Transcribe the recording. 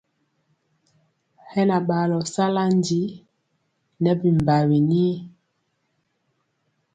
Hɛ na ɓaalɔ sala ndi nɛ bimbawi ni.